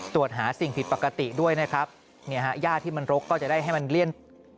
ตรวจหาสิ่งผิดปกติด้วยนะครับเนี่ยฮะย่าที่มันรกก็จะได้ให้มันเลี่ยน